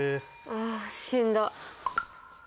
ああ死んだ。